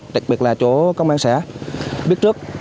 đặc biệt là chỗ công an xã biết trước